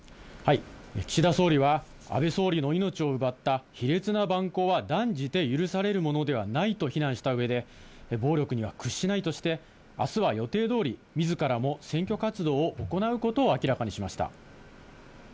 岸田総理は、安倍総理の命を奪った卑劣な蛮行は断じて許されるものではないと非難したうえで、暴力には屈しないとして、あすは予定どおり、みずからも選挙活動を行うことを明らかにしました。